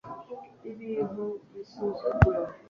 Ndibaza impamvu Wa musore atankunda